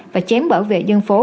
và chém bảo vệ dân phố